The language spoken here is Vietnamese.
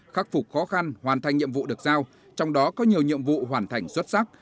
khắc phục khó khăn hoàn thành nhiệm vụ được giao trong đó có nhiều nhiệm vụ hoàn thành xuất sắc